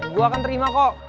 gue akan terima kok